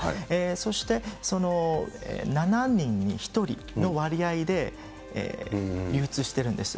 そして、７人に１人の割合で流通してるんです。